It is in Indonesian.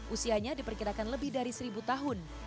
usianya diperkirakan lebih dari seribu tahun